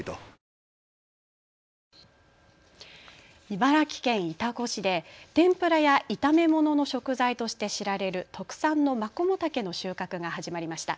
茨城県潮来市で天ぷらや炒め物の食材として知られる特産のマコモタケの収穫が始まりました。